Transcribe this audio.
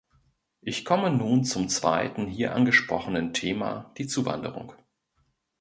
Ich komme nun zum zweiten hier angesprochenen Thema, die Zuwanderung.